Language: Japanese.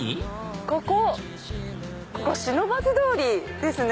ここ不忍通りですね。